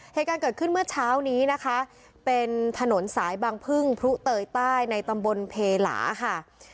เหตุการณ์เกิดขึ้นเมื่อเช้านี้นะคะเป็นถนนสายบางพึ่งพลุเตยใต้ในตำบลเพหลาค่ะ